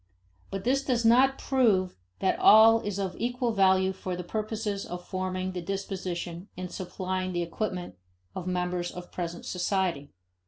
But this does not prove that all is of equal value for the purposes of forming the disposition and supplying the equipment of members of present society.